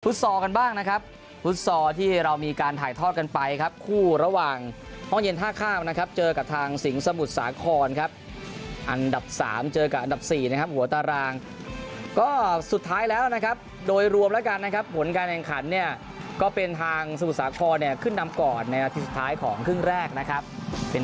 ซอลกันบ้างนะครับฟุตซอลที่เรามีการถ่ายทอดกันไปครับคู่ระหว่างห้องเย็นท่าข้ามนะครับเจอกับทางสิงห์สมุทรสาครครับอันดับสามเจอกับอันดับสี่นะครับหัวตารางก็สุดท้ายแล้วนะครับโดยรวมแล้วกันนะครับผลการแข่งขันเนี่ยก็เป็นทางสมุทรสาครเนี่ยขึ้นนำก่อนในอาทิตย์สุดท้ายของครึ่งแรกนะครับเป็น